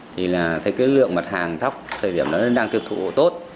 thì là thấy cái lượng mặt hàng thóc thời điểm nó đang tiêu thụ tốt